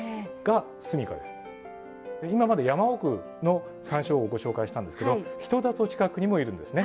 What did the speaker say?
今まで山奥のサンショウウオをご紹介したんですけど人里近くにもいるんですね。